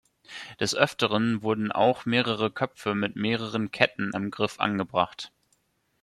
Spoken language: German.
Des Öfteren wurden auch mehrere Köpfe mit mehreren Ketten am Griff angebracht.